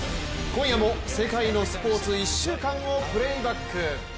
今夜も世界のスポーツ一週間をプレーバック。